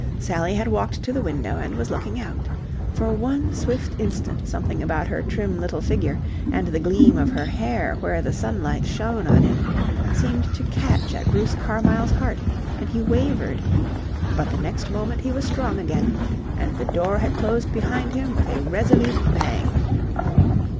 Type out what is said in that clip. Sally had walked to the window and was looking out. For one swift instant something about her trim little figure and the gleam of her hair where the sunlight shone on it seemed to catch at Bruce Carmyle's heart, and he wavered. But the next moment he was strong again, and the door had closed behind him with a resolute bang.